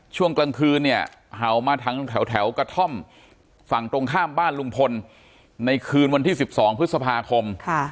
ช่วงกลางคืนเนี่ยเห่ามาทางแถวกระท่อมฝั่งตรงข้ามบ้านลุงพลในคืนวันที่๑๒พฤษภาคม